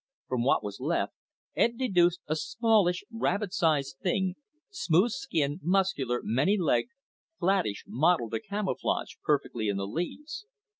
From what was left, Ed deduced a smallish, rabbit sized thing, smooth skinned, muscular, many legged, flattish, mottled to camouflage perfectly in the leaves.